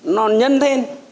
nó nhân thêm